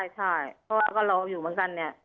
ใช่ก็รออยู่เหมือนกัน